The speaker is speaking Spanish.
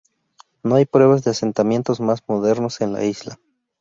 No hay pruebas de asentamientos más modernos en la isla.